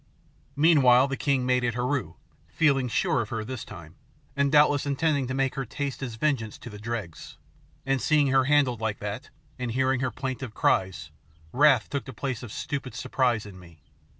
Meanwhile the king made at Heru, feeling sure of her this time, and doubtless intending to make her taste his vengeance to the dregs; and seeing her handled like that, and hearing her plaintive cries, wrath took the place of stupid surprise in me.